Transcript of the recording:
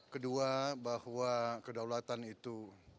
kedua bahwa kedaulatan itu